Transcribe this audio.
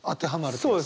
そうですね。